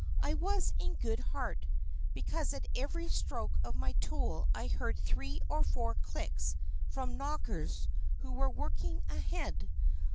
I was in good heart, because at every stroke of my tool I heard three or four clicks from Knockers who were working ahead.